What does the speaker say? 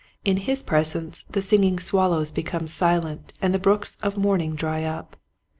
In his presence the singing swallows become silent and the brooks of morning dry up.